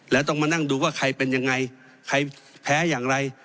แล้วต้องมานั่งดูว่าใครเป็นยังไงใครแพ้อย่างไร